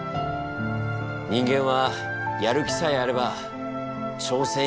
人間はやる気さえあれば挑戦し続けられる。